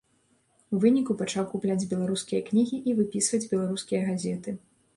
У выніку пачаў купляць беларускія кнігі і выпісваць беларускія газеты.